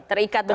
terikat betul ya